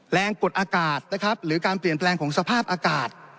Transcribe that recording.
กดอากาศนะครับหรือการเปลี่ยนแปลงของสภาพอากาศ